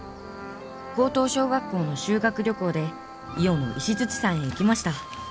高等小学校の修学旅行で伊予の石山へ行きました。